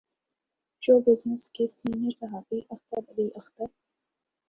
شو business کے senior صحافی اختر علی اختر